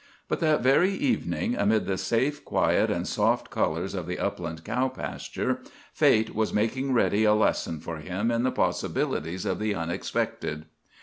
But that very evening, amid the safe quiet and soft colors of the upland cow pasture, fate was making ready a lesson for him in the possibilities of the unexpected.